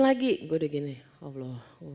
lagi gue udah gini ngobrol